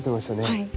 はい。